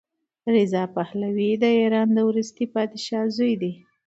رضا پهلوي د ایران د وروستي پادشاه زوی دی.